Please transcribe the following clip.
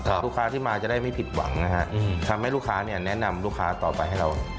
ลูกค้าที่มาจะได้ไม่ผิดหวังนะฮะทำให้ลูกค้าเนี่ยแนะนำลูกค้าต่อไปให้เรา